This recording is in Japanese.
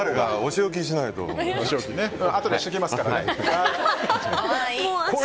あとでしておきますから。